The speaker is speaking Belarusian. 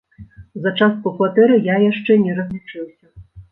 За частку кватэры я яшчэ не разлічыўся.